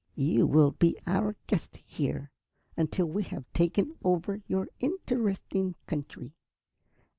"You will be our guest, here, until we have taken over your interesting country.